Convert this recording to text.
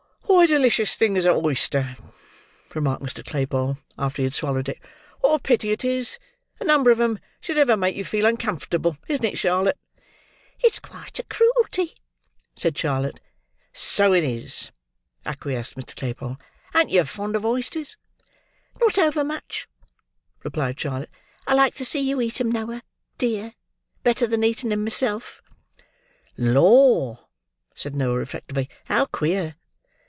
"What a delicious thing is a oyster!" remarked Mr. Claypole, after he had swallowed it. "What a pity it is, a number of 'em should ever make you feel uncomfortable; isn't it, Charlotte?" "It's quite a cruelty," said Charlotte. "So it is," acquiesced Mr. Claypole. "An't yer fond of oysters?" "Not overmuch," replied Charlotte. "I like to see you eat 'em, Noah dear, better than eating 'em myself." "Lor!" said Noah, reflectively; "how queer!"